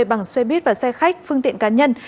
bằng xe buýt và xe khách phương tiện cá nhân